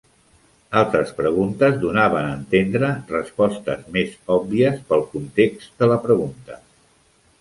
Altres preguntes donaven a entendre respostes més òbvies pel context de la pregunta.